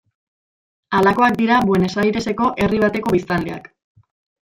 Halakoak dira Buenos Airesko herri bateko biztanleak.